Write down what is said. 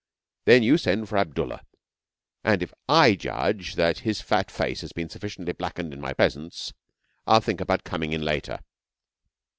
Then you send for Abdullah, and if I judge that his fat face has been sufficiently blackened in my presence, I'll think about coming in later.'